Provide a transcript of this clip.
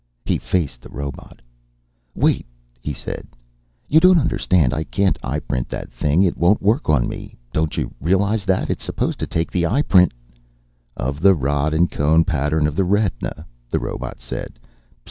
He faced the robot. "Wait," he said. "You don't understand. I can't eyeprint that thing. It won't work on me. Don't you realize that? It's supposed to take the eyeprint "" of the rod and cone pattern of the retina," the robot said.